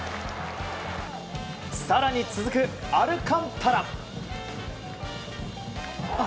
更に、続くアルカンタラ。